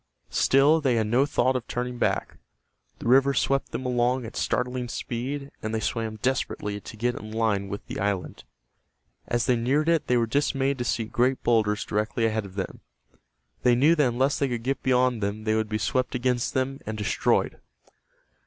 Still they had no thought of turning back. The river swept them along at startling speed, and they swam desperately to get in line with the island. As they neared it they were dismayed to see great boulders directly ahead of them. They knew that unless they could get beyond them they would be swept against them and destroyed.